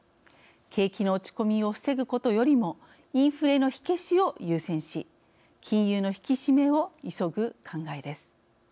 景気の落ち込みを防ぐことよりもインフレの火消しを優先し金融の引き締めを急ぐ考えです。